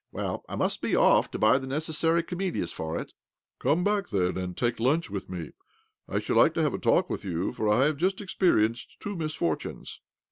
Well, I must be off to buy the necessary camelias for it." 2б OBLOMOV " Come back, then, and take lunch with me. I should like to have a talk with you, for I have just experienced two misfor tunes."